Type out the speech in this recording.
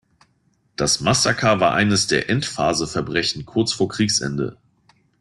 Das Massaker war eines der Endphaseverbrechen kurz vor Kriegsende.